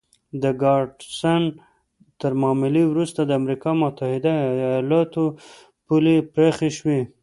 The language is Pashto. د ګاډسن تر معاملې وروسته د امریکا متحده ایالتونو پولې پراخې شوې.